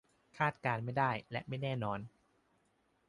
คาดการณ์ไม่ได้และไม่แน่นอน